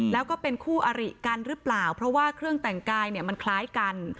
แล้วก็เป็นคู่อริกันหรือเปล่าเพราะว่าเครื่องแต่งกายเนี่ยมันคล้ายกัน